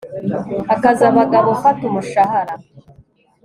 Akazi abagabo Fata umushahara